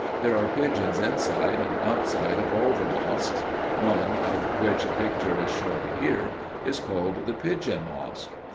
There are pigeons inside and outside of all the mosques; one, of which a picture is here shown, is called the Pigeon Mosque.